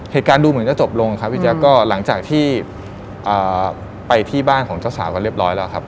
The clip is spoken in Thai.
เหตุการณ์ดูเหมือนจะจบลงครับพี่แจ๊คก็หลังจากที่ไปที่บ้านของเจ้าสาวกันเรียบร้อยแล้วครับ